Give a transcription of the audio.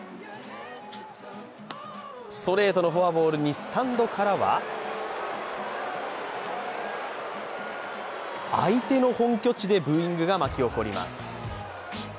ストレートのフォアボールにスタンドからは相手の本拠地でブーイングが巻き起こります。